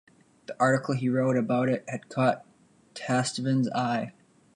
The article he wrote about it had caught Tastevin's eye.